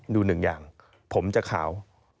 หนึ่งอย่างผมจะขาว